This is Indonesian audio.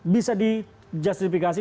bisa di justifikasi